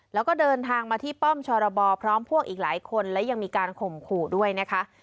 แล้วก็เดินทางมาที่ป้อมชรบพร้อมพวกอีกหลายคนและยังมีการข่มขู่ด้วยนะคะ